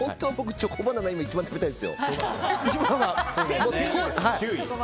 チョコバナナが一番食べたいですよ。